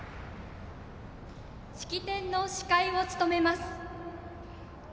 式典の司会を務めます